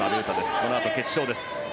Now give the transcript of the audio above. このあと決勝です。